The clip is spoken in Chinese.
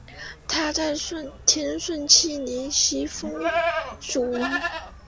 他在天顺七年袭封蜀王。